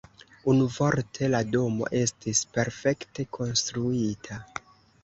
Unuvorte la domo estis perfekte konstruita.